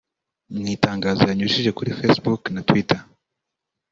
Mu itangazo yanyujije kuri Facebook na Twitter